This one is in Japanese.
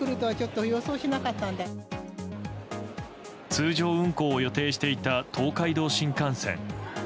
通常運行を予定していた東海道新幹線。